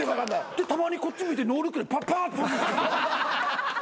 でたまにこっち向いてノールックでパパッてパス。